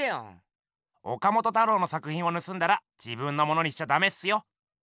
岡本太郎の作品をぬすんだら自分のものにしちゃダメっすよ。